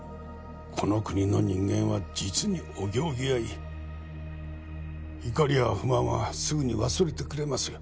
この国の人間は実にお行儀がいい怒りや不満はすぐに忘れてくれますよ